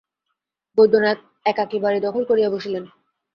বৈদ্যনাথ একাকী বাড়ি দখল করিয়া বসিলেন।